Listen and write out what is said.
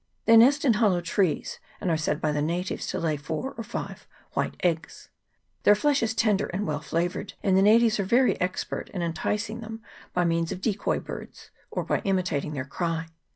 They nest in hollow trees, and are said by the natives to lay four or five white eggs. Their flesh is tender and well flavoured, and the natives are very expert in enticing them by means of decoy birds, or by imitating their cry.